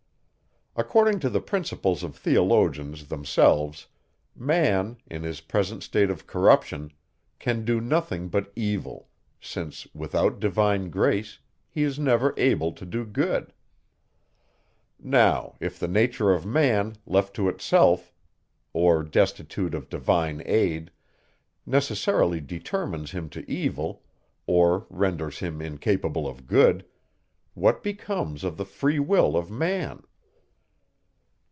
According to the principles of theologians themselves, man, in his present state of corruption, can do nothing but evil, since, without divine grace, he is never able to do good. Now, if the nature of man, left to itself, or destitute of divine aid, necessarily determines him to evil, or renders him incapable of good, what becomes of the free will of man?